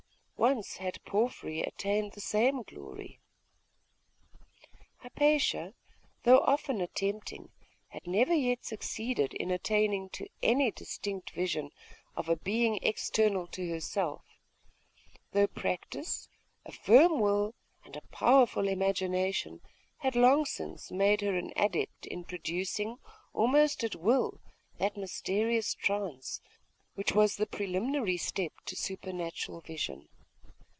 Once had Porphyry attained the same glory. Hypatia, though often attempting, had never yet succeeded in attaining to any distinct vision of a being external to herself; though practice, a firm will, and a powerful imagination, had long since made her an adept in producing, almost at will, that mysterious trance, which was the preliminary step to supernatural vision.